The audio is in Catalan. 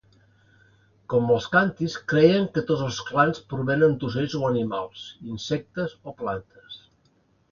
Com els khantis, creien que tots els clans provenen d'ocells o animals, insectes o plantes.